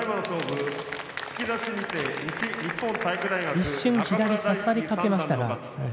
一瞬、左を差されかけましたが。